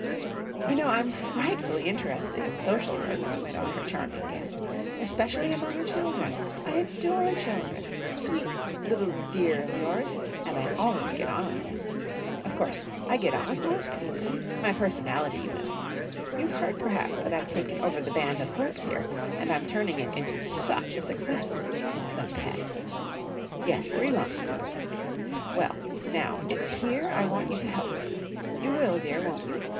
"You know, I'm frightfully interested in social work," went on her charming guest, "especially among children. I adore children! Sweet little dear of yours! And I always get on with them. Of course, I get on with most people. My personality, you know! You've heard perhaps that I've taken over the Band of Hope here, and I'm turning it into such a success. The pets! Yes, three lumps, please. Well, now, it's here I want you to help me. You will, dear, won't you?